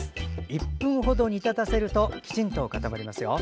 １分程煮立たせるときちんと固まりますよ。